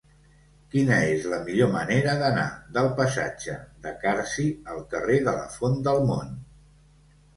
Quina és la millor manera d'anar del passatge de Carsi al carrer de la Font del Mont?